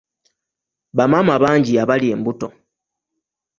Bamaama bangi abali embuto.